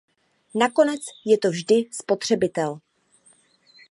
Nakonec je to vždy spotřebitel.